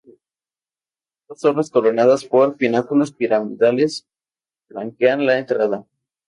Dos torres coronadas por pináculos piramidales flanquean la entrada.